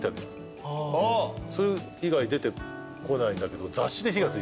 それ以外出てこないんだけど。